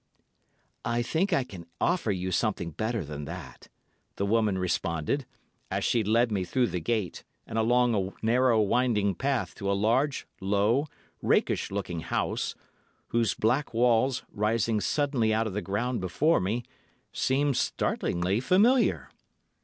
"'I think I can offer you something better than that,' the woman responded, as she led me through the gate and along a narrow winding path to a large, low, rakish looking house, whose black walls, rising suddenly out of the ground before me, seemed startlingly familiar.